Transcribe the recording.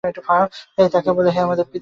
তাই তারা তাকে বলল, হে আমাদের পিতা!